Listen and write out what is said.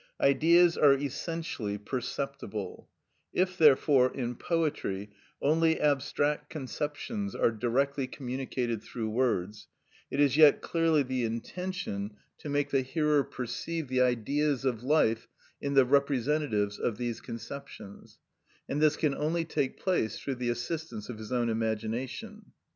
Ideas are essentially perceptible; if, therefore, in poetry only abstract conceptions are directly communicated through words, it is yet clearly the intention to make the hearer perceive the Ideas of life in the representatives of these conceptions, and this can only take place through the assistance of his own imagination.